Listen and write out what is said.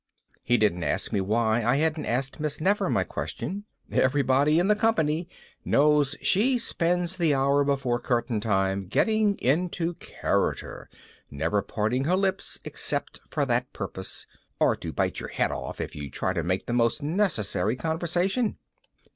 He didn't ask me why I hadn't asked Miss Nefer my question. Everybody in the company knows she spends the hour before curtain time getting into character, never parting her lips except for that purpose or to bite your head off if you try to make the most necessary conversation.